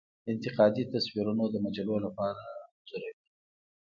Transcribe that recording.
انتقادي تصویرونه د مجلو لپاره انځوروي.